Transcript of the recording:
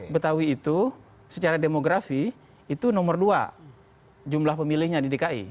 betawi itu secara demografi itu nomor dua jumlah pemilihnya di dki